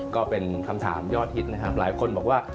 ก็เป็นคำถามยอดฮิตนะครับหลายคนบอกว่า